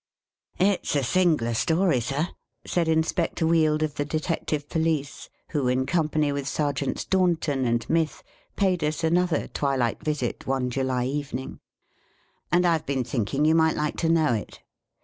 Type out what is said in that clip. " IT 's a singler story, Sir," said Inspector Wield, of the Detective Police, who, in com pany with Sergeants Dornton and Mith, paid us another twilight visit, one July evening ;" and I 've been thinking you might like to know it.